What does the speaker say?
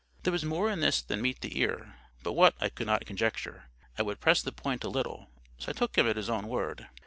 There was more in this than met the ear; but what, I could not conjecture. I would press the point a little. So I took him at his own word.